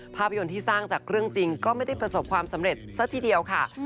ภาพยนตร์ที่สร้างจากเรื่องจริงก็ไม่ได้ประสบความสำเร็จซะทีเดียวค่ะ